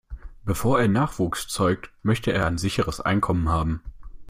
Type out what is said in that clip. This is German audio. Bevor er Nachwuchs zeugt, möchte er ein sicheres Einkommen haben.